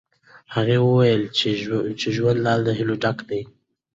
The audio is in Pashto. هغې وویل چې ژوند لا هم له هیلو ډک دی.